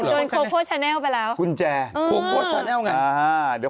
ล็อกโคโก้แชเนลหรือวะ